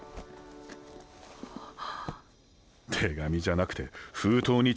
手紙じゃなくて封筒に直接だぞ。